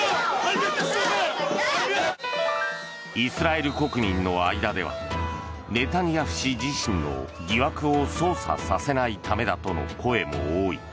イスラエル国民の間ではネタニヤフ氏自身の疑惑を捜査させないためだとの声も多い。